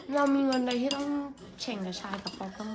เรามีเงินใดที่ต้องเฉ่งกับชายกับป๊อปต้องก็